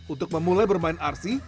untuk memulai bermain rc